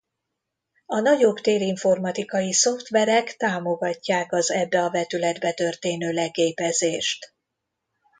A nagyobb térinformatikai szoftverek támogatják az ebbe a vetületbe történő leképezést.